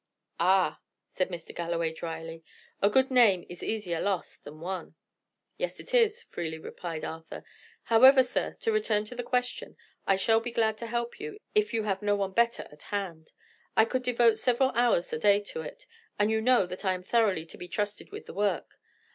"Ah!" said Mr. Galloway, drily, "a good name is easier lost than won." "Yes, it is," freely replied Arthur. "However, sir, to return to the question. I shall be glad to help you, if you have no one better at hand. I could devote several hours a day to it, and you know that I am thoroughly to be trusted with the work.